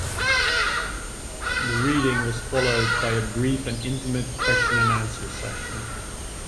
The reading was followed by a brief and intimate Question and Answer session.